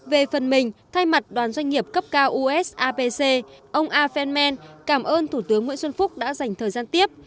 về phần mình thay mặt đoàn doanh nghiệp cấp cao usapc ông afen men cảm ơn thủ tướng nguyễn xuân phúc đã dành thời gian tiếp